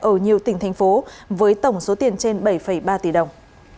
ở nhiều tỉnh thành phố với tổng số tiền trên bảy ba tỷ đồng